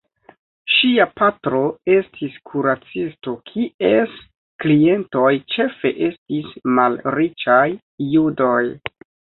Ŝia patro estis kuracisto kies klientoj ĉefe estis malriĉaj judoj.